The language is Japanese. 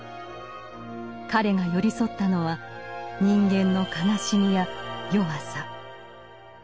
彼が寄り添ったのは人間の悲しみや弱さ。